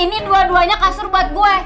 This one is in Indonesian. ini dua duanya kasur buat gue